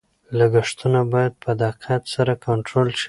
لګښتونه باید په دقت سره کنټرول شي.